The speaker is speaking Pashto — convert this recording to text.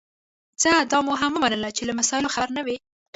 ځه دا مي هم ومنله چي له مسایلو خبر نه وې